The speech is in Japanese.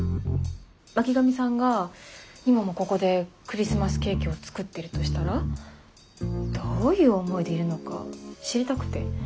巻上さんが今もここでクリスマスケーキを作ってるとしたらどういう思いでいるのか知りたくて。